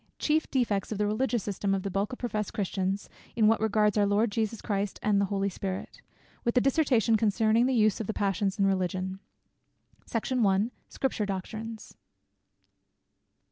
_Chief defects of the Religious System of the bulk of professed Christians, in what regards our Lord Jesus Christ, and the Holy Spirit with a Dissertation concerning the use of the Passions in Religion._ SECT. I SCRIPTURE DOCTRINES.